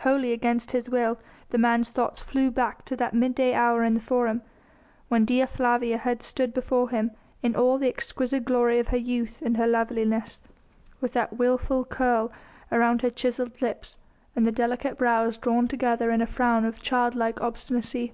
Wholly against his will, the man's thoughts flew back to that midday hour in the Forum, when Dea Flavia had stood before him in all the exquisite glory of her youth and her loveliness, with that wilful curl round her chiselled lips and the delicate brows drawn together in a frown of child like obstinacy.